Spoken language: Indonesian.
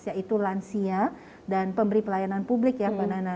yaitu lansia dan pemberi pelayanan publik ya mbak nana